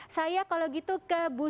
saya kalau gitu ke bu